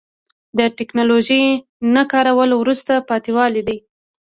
د تکنالوژۍ نه کارول وروسته پاتې والی دی.